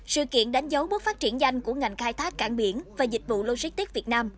sự kiện đánh dấu bước phát triển danh của ngành khai thác cảng biển và dịch vụ logistics việt nam